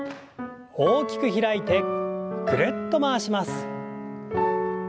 大きく開いてぐるっと回します。